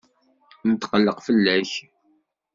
Netqelleq fell-ak.